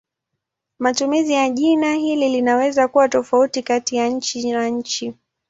Matumizi ya jina hili linaweza kuwa tofauti kati ya nchi na nchi.